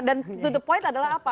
dan ke poin adalah apa